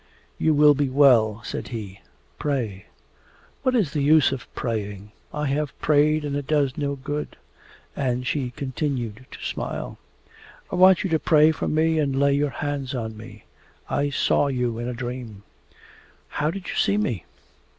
'You will be well,' said he. 'Pray!' 'What is the use of praying? I have prayed and it does no good' and she continued to smile. 'I want you to pray for me and lay your hands on me. I saw you in a dream.' 'How did you see me?